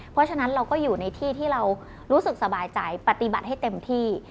เพราะฉะนั้นเราก็อยู่ในที่ที่เรารู้สึกสบายใจปฏิบัติให้เต็มที่